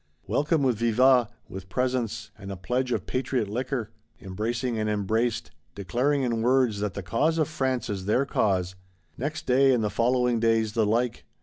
Welcomed with vivats, with presents, and a pledge of patriot liquor; embracing and embraced; declaring in words that the cause of France is their cause! Next day and the following days the like.